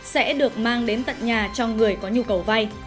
sẽ được mang đến tận nhà cho người có nhu cầu vay